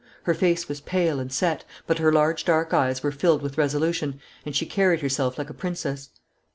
Her face was pale and set, but her large dark eyes were filled with resolution, and she carried herself like a princess.